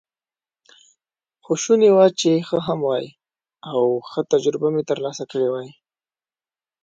خو شوني وه چې ښه هم وای، او ښه تجربه مې ترلاسه کړې وای.